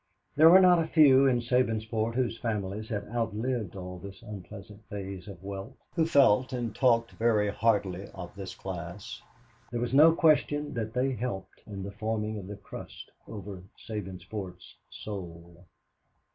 There were not a few in Sabinsport whose families had outlived all this unpleasant phase of wealth, who felt and talked very hardly of this class. There was no question that they helped in the forming of the crust over Sabinsport's soul.